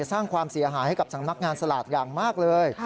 สร้างความเสียหายให้กับสำนักงานสลากอย่างมากเลย